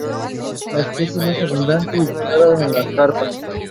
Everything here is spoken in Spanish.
La especie más abundante y buscada es la carpa.